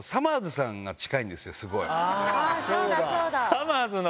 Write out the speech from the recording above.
さまぁずの！